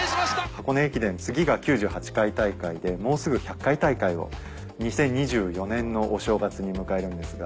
箱根駅伝次が９８回大会でもうすぐ１００回大会を２０２４年のお正月に迎えるんですが。